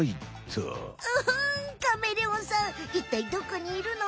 うんカメレオンさんいったいどこにいるの？